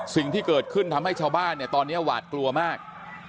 สิ่งที่เกิดขึ้นทำให้ชาวบ้านเนี่ยตอนนี้หวาดกลัวมาก